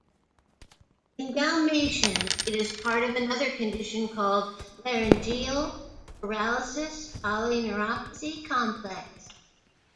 In Dalmatians it is part of another condition called 'laryngeal paralysis-polyneuropathy complex.